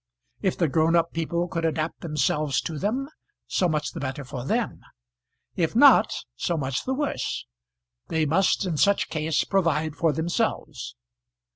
If the grown up people could adapt themselves to them, so much the better for them; if not, so much the worse; they must in such case provide for themselves.